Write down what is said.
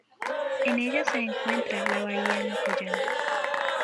En ella se encuentra la bahía Mikoyan.